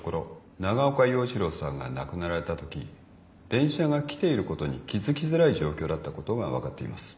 長岡洋一郎さんが亡くなられたとき電車が来ていることに気付きづらい状況だったことが分かっています。